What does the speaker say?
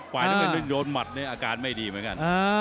ฝ่ายน้ำเงินโยนหมัดเนี่ยอาการไม่ดีเหมือนกัน